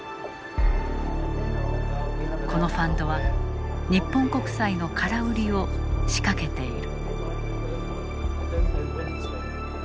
このファンドは日本国債の空売りを仕掛けている。